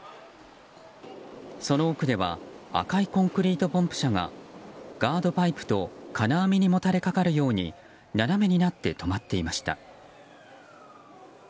その奥では赤いコンクリートポンプ車がガードパイプと金網にもたれかかるように斜めになって止まっていました。